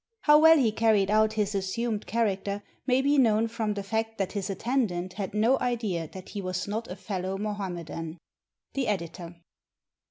How well he carried out his assumed character may be known from the fact that his attendant had no idea that he was not a fellow Mohammedan. The Editor.